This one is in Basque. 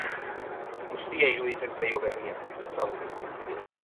Guztia iruditzen zaio berria, ezezaguna.